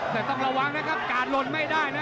แต่ต้องระวังนะครับกาดหล่นไม่ได้นะ